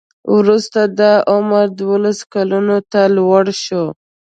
وروسته دا عمر دولسو کلونو ته لوړ شو.